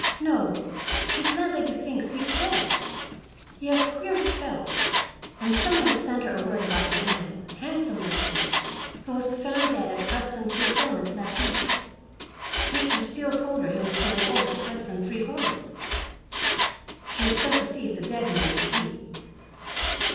"No. His landlady thinks he is dead. He has queer spells, and some one had sent her word about a man, handsome like him, who was found dead at Hudson Three Corners last night. Mr. Steele told her he was going over to Hudson Three Corners. She has sent to see if the dead man is he."